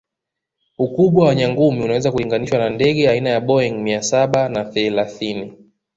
Ukubwa wa nyangumi unaweza kulinganishwa na ndege aina ya Boeing mia Saba na thelathini